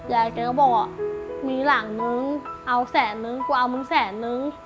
ยายเคยบอกมีหลังหนึ่งเอาแสนหนึ่งบอกเอามันแสนนึง